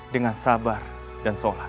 dengan sabar dan sholat